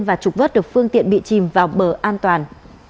và trục vớt được phương tiện bị chìm vào bờ an toàn